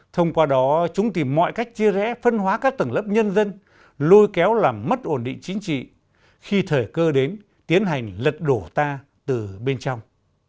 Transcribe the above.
thông qua đó chúng tìm mọi cách chia rẽ phân hóa các tầng lớp nhân dân lôi kéo làm mất ổn định chính trị khi thời cơ đến tiến hành lật đổ ta từ bên trong